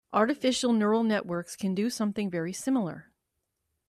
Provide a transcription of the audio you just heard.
Artificial neural networks can do something very similar.